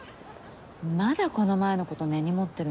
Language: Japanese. まだこの前のこと根に持ってるの？